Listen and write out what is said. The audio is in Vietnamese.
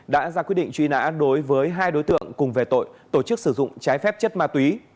đã ra quyết định truy nã đối với hai đối tượng cùng về tội tổ chức sử dụng trái phép chất ma túy